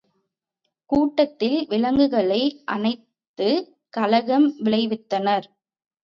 கூட்டத்தில் விளக்குகளை அனைத்துக் கலகம் விளைவித்தனர்.